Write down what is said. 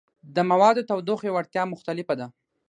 د موادو تودوخې وړتیا مختلفه ده.